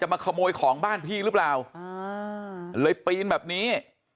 มาขโมยของบ้านพี่หรือเปล่าเลยปีนแบบนี้